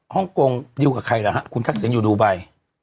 ฮ่องกงดิวกับใครล่ะฮะคุณทักษิณอยู่ดูไบ